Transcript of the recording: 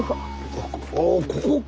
ああここか！